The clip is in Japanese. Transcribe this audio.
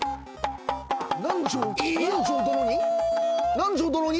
南條殿に？